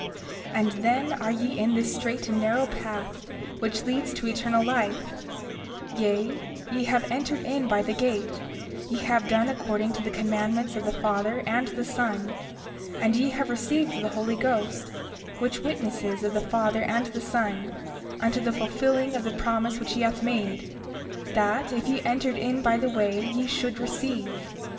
31:18 And then are ye in this strait and narrow path which leads to eternal life; yea, ye have entered in by the gate; ye have done according to the commandments of the Father and the Son; and ye have received the Holy Ghost, which witnesses of the Father and the Son, unto the fulfilling of the promise which he hath made, that if ye entered in by the way ye should receive.